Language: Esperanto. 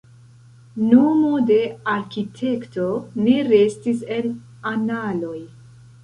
Nomo de arkitekto ne restis en analoj.